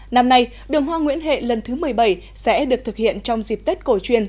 năm nay đường hoa nguyễn huệ lần thứ một mươi bảy sẽ được thực hiện trong dịp tết cổ truyền